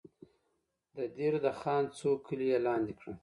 د دیر د خان څو کلي یې لاندې کړل.